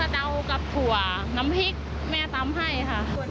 เดากับถั่วน้ำพริกแม่ตำให้ค่ะ